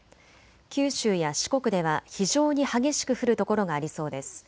九州や四国では非常に激しく降る所がありそうです。